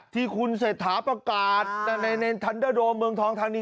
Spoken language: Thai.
ที่คุณเศรษฐาประกาศในทันเดอร์โดมเมืองทองทานี